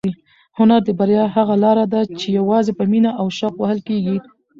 هنر د بریا هغه لاره ده چې یوازې په مینه او شوق وهل کېږي.